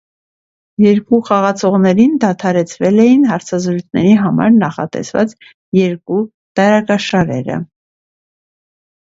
Երկու խաղացողներին դադարեցվել էին հարցազրույցների համար նախատեսված երկու դարակաշարերը։